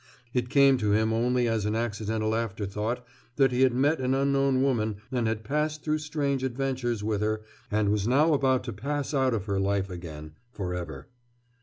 It came to him only as an accidental afterthought that he had met an unknown woman and had passed through strange adventures with her and was now about to pass out of her life again, forever.